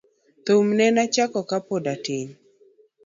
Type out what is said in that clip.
Thum nena chako ka pod atin.